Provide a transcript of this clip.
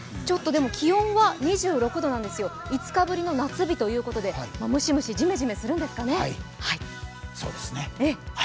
気温は２６度なんですよ、５日ぶりの夏日ということでムシムシ、ジメジメするんですかね